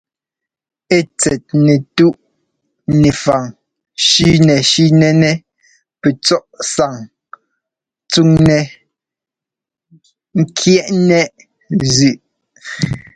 Ɛ tsɛt nɛtúꞌ nɛfaŋ shʉ́nɛshʉ́nɛnɛ́ pɛcɔ́ꞌ sáŋ tsúŋnɛ́ ŋ́kyɛ́ꞌnɛ zʉꞌ.